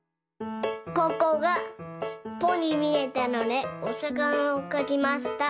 ここがしっぽにみえたのでおさかなをかきました。